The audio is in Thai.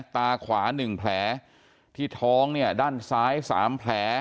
ตาขวา๑แผลที่ท้องเนี่ยด้านซ้าย๓แผล